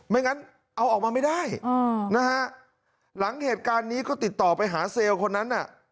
งั้นเอาออกมาไม่ได้นะฮะหลังเหตุการณ์นี้ก็ติดต่อไปหาเซลล์คนนั้นน่ะ